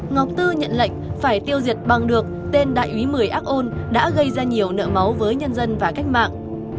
ngọc tư nhận lệnh phải tiêu diệt bằng được tên đại úy một mươi ác ôn đã gây ra nhiều nợ máu với nhân dân và cách mạng